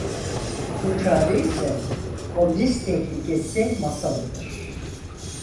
Bu çare ise, komünist tehlikesi masalıdır.